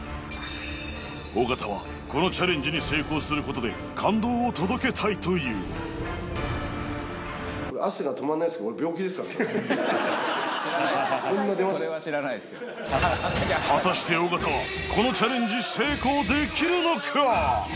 尾形はこのチャレンジに成功することで感動を届けたいという果たして尾形はこのチャレンジ成功できるのか？